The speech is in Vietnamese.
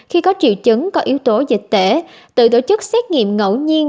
khi có triệu chứng có yếu tố dịch tễ tự tổ chức xét nghiệm ngẫu nhiên